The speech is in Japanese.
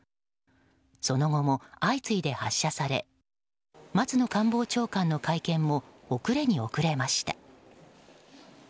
その後も、相次いで発射され松野官房長官の会見も遅れに遅れました。